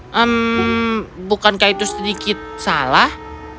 hmm bukankah itu sedikit salah